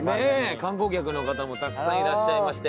観光客の方もたくさんいらっしゃいまして。